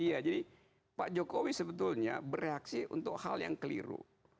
iya jadi pak jokowi sebetulnya bereaksi untuk hal yang keliru